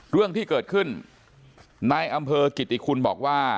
เรื่องที่เกิดขึ้นนายอำเภอกิติคุณบอกว่า